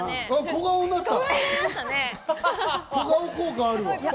小顔効果があるよ。